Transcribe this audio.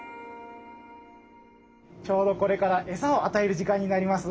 ちょうどこれからエサをあたえる時間になります。